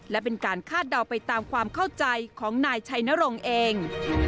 และเป็นการคาดเดาไปตามความเข้าใจของนายชัยนรงค์เอง